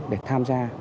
để tham gia